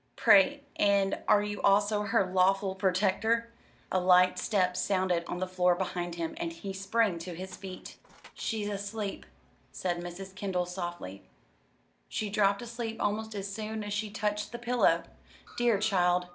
"Pray, and are you also her 'Lawfull Protectur'?" A light step sounded on the floor behind him, and he sprang to his feet. "She's asleep," said Mrs. Kendall softly. "She dropped asleep almost as soon as she touched the pillow. Dear child!"